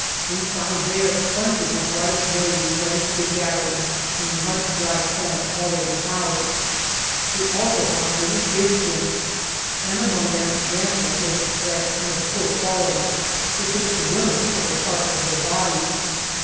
We found there plenty of ripe maize ready to be gathered and much dry corn already housed. We also found many deer skins and among them mantles made of thread and of poor quality, with which the women cover parts of their bodies.